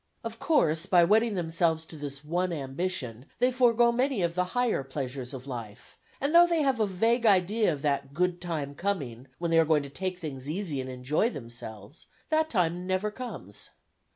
Of course, by wedding themselves to this one ambition they forego many of the higher pleasures of life, and though they have a vague idea of that "good time coming," when they are going to take things easy and enjoy themselves, that time never comes.